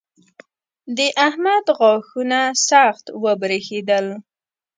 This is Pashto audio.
د احمد غاښونه سخت وبرېښېدل.